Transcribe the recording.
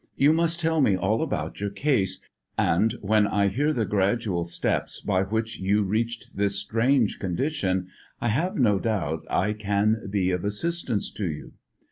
You must tell me all about your case, and when I hear the gradual steps by which you reached this strange condition, I have no doubt I can be of assistance to you."